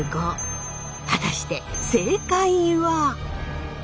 果たして正解は？